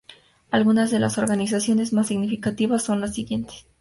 Algunas de las organizaciones más significativas son las siguientes.